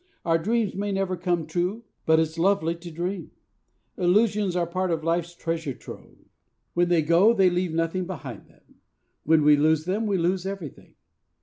Our dreams may never come true; but it's lovely to dream! Illusions are part of life's treasure trove. When they go, they leave nothing behind them. When we lose them, we lose everything.